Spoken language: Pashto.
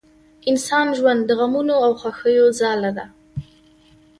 انسان ژوند د غمونو او خوښیو ځاله ده